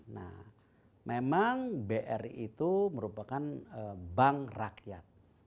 nah memang bri itu merupakan bank rakyat